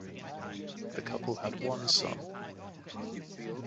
The couple had one son.